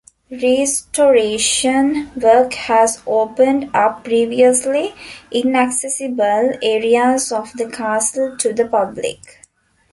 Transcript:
Restoration work has opened up previously inaccessible areas of the castle to the public.